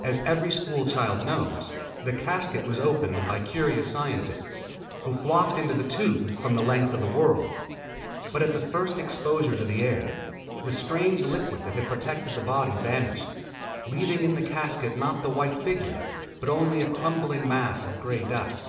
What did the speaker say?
As every school child knows, the casket was opened by curious scientists, who flocked into the tube from the length of the world, but at the first exposure to the air, the strange liquid that had protected the body vanished, leaving in the casket not the white figure, but only a crumbling mass of grey dust.